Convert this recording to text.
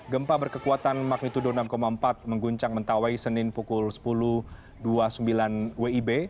gempa berkekuatan magnitudo enam empat mengguncang mentawai senin pukul sepuluh dua puluh sembilan wib